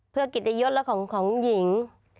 เพื่อกิตยศและของหญิง